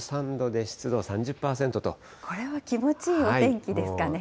これは気持ちいいお天気ですかね。